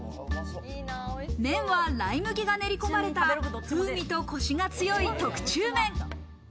麺はライ麦が練り込まれた風味とコシが強い特注麺。